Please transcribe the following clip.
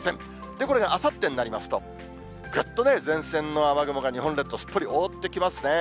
で、これがあさってになりますと、ぐっとね、前線の雨雲が日本列島をすっぽり覆ってきますね。